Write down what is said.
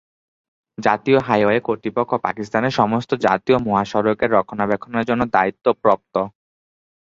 জাতীয় হাইওয়ে কর্তৃপক্ষ পাকিস্তানের সমস্ত জাতীয় মহাসড়কের রক্ষণাবেক্ষণের জন্য দায়িত্বপ্রপ্ত।